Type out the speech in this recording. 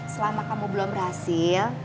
selama kamu belum berhasil